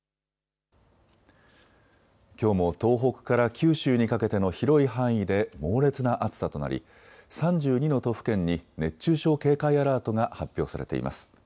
きょうも東北から九州にかけての広い範囲で猛烈な暑さとなり３２の都府県に熱中症警戒アラートが発表されています。